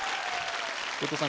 後藤さん